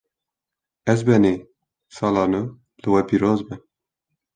Ezbenî! Sala nû li we pîroz be